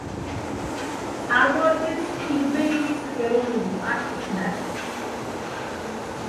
წარმოადგენს თინგველირის ეროვნული პარკის ნაწილს.